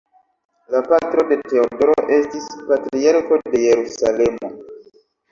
La patro de Teodoro estis Patriarko de Jerusalemo.